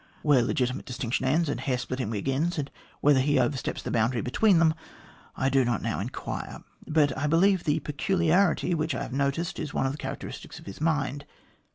Where legitimate distinction ends and hair splitting begins, and whether he oversteps the boundary between them, I do not now inquire, but I believe the peculiarity which I have noticed is one of the characteristics of his mind.